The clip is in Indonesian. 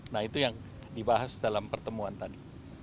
nah itu yang dibahas dalam pertemuan tadi